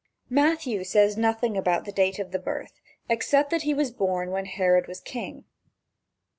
Matthew says nothing about the date of the birth, except that he was born when Herod was king.